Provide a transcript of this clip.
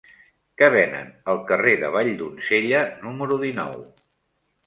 Què venen al carrer de Valldonzella número dinou?